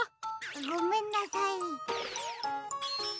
ごめんなさい。